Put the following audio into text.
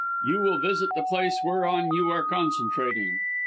You will visit the place whereon you are concentrating.